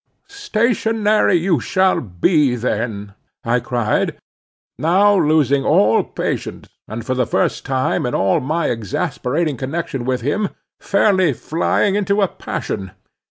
"Stationary you shall be then," I cried, now losing all patience, and for the first time in all my exasperating connection with him fairly flying into a passion.